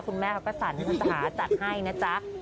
คุณแม่เขาก็สั่นภาษาจัดให้นะจ๊ะ